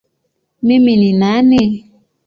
Mimi ni nani?